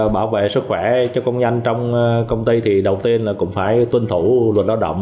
bảo vệ sức khỏe cho công nhân trong công ty thì đầu tiên là cũng phải tuân thủ luật lao động